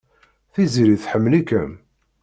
Tiziri tḥemmel-ikem.